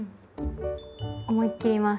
思いっ切ります。